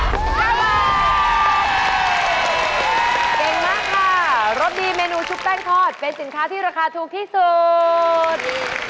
เก่งมากค่ะรสดีเมนูชุบแป้งทอดเป็นสินค้าที่ราคาถูกที่สุด